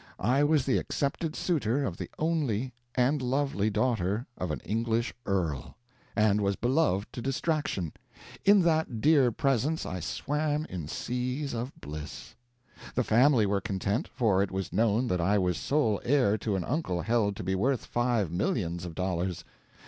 I was the accepted suitor of the only and lovely daughter of an English earl, and was beloved to distraction. In that dear presence I swam in seas of bliss. The family were content, for it was known that I was sole heir to an uncle held to be worth five millions of dollars.